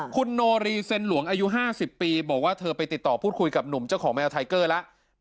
คุณโนรีเซ็นหลวงอายุ๕๐ปีบอกว่าเธอไปติดต่อพูดคุยกับหนุ่มเจ้าของแมวไทเกอร์แล้ว